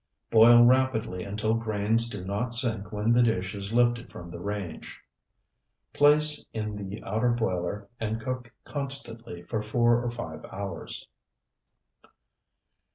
Boil rapidly until grains do not sink when the dish is lifted from the range. Place in the outer boiler and cook constantly for four or five hours.